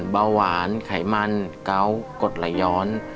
เบาหวานไขมันเกาะกดไหลย้อน